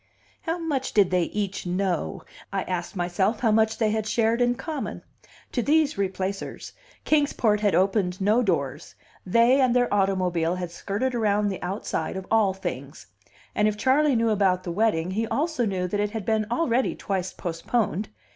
How much did they each know? I asked myself how much they had shared in common. To these Replacers Kings Port had opened no doors; they and their automobile had skirted around the outside of all things. And if Charley knew about the wedding, he also knew that it had been already twice postponed.